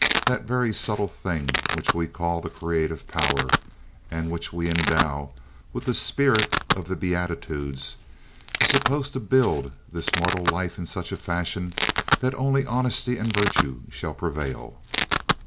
That very subtle thing which we call the creative power, and which we endow with the spirit of the beatitudes, is supposed to build this mortal life in such fashion that only honesty and virtue shall prevail.